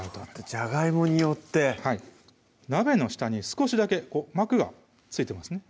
じゃがいもによってはい鍋の下に少しだけ膜が付いてますね